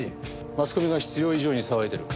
マスコミが必要以上に騒いでる。